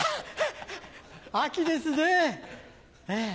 秋ですねええ。